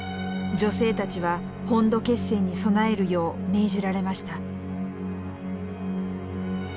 女性たちは本土決戦に備えるよう命じられました。